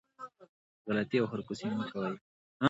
غلطي او خرکوسي مه کوئ